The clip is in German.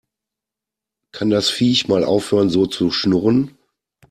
Kann das Viech mal aufhören so zu schnurren?